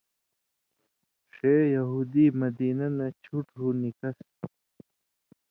ݜے یہودی مدینہ نہ چُھٹ ہو نِکسہۡ۔